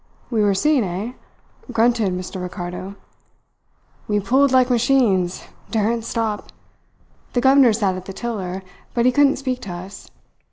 "We were seen, eh?" grunted Mr. Ricardo. "We pulled like machines daren't stop. The governor sat at the tiller, but he couldn't speak to us.